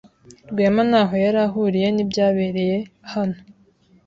Rwema ntaho yari ahuriye nibyabereye hano.